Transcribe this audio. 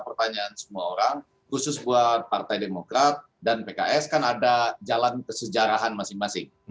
pertanyaan semua orang khusus buat partai demokrat dan pks kan ada jalan kesejarahan masing masing